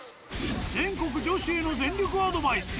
全国女子への全力アドバイス